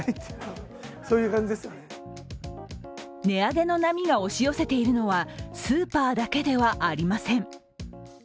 値上げの波が押し寄せているのはスーパーだけではありません。